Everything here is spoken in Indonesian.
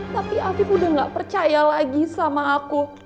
tapi afif udah gak percaya lagi sama aku